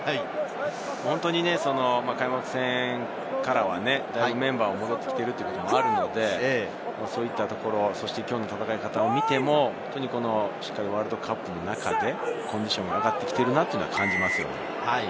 開幕戦からはだいぶメンバーが戻ってきているということもあるので、そして、きょうの戦い方を見ても、ワールドカップの中でコンディションが上がってきているのを感じます。